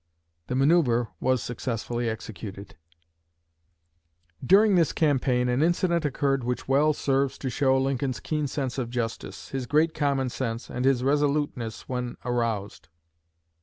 '" The manoeuvre was successfully executed. During this campaign an incident occurred which well serves to show Lincoln's keen sense of justice, his great common sense, and his resoluteness when aroused.